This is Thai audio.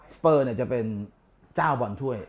เปอร์จะเป็นเจ้าบอลถ้วย